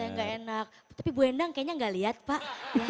saya gak enak tapi ibu endang kayaknya gak lihat pak